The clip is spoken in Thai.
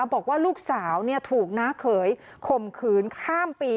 บอกว่าลูกสาวถูกน้าเขยข่มขืนข้ามปี